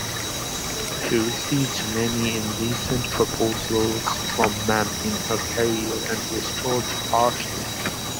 She received many indecent proposals from men in her career and retorted harshly.